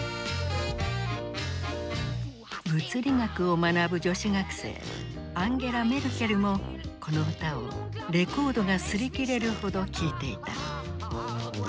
物理学を学ぶ女子学生アンゲラ・メルケルもこの歌をレコードが擦り切れるほど聴いていた。